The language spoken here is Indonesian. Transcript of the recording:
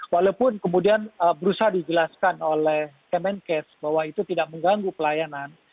walaupun kemudian berusaha dijelaskan oleh kemenkes bahwa itu tidak mengganggu pelayanan